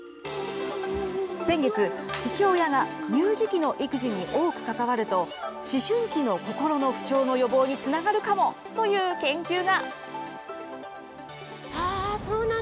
先月、父親が乳児期の育児に多く関わると、思春期のココロの不調の予防につながるかもという研究が。